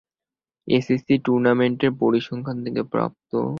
ACC টুর্নামেন্টের পরিসংখ্যান থেকে প্রাপ্ত।